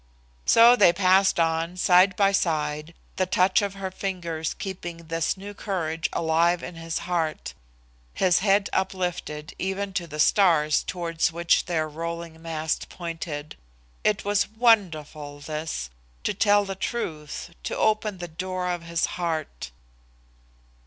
So they passed on, side by side, the touch of her fingers keeping this new courage alive in his heart, his head uplifted even to the stars towards which their rolling mast pointed. It was wonderful, this to tell the truth, to open the door of his heart!